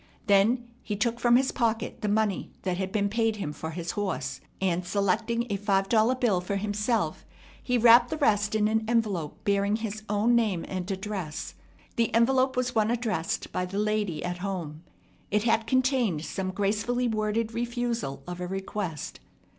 Then he took from his pocket the money that had been paid him for his horse; and, selecting a five dollar bill for himself, he wrapped the rest in an envelope bearing his own name and address. The envelope was one addressed by the lady at home. It had contained some gracefully worded refusal of a request.